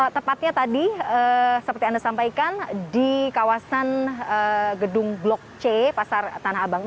tepatnya tadi seperti anda sampaikan di kawasan gedung blok c pasar tanah abang